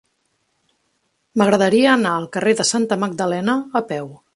M'agradaria anar al carrer de Santa Magdalena a peu.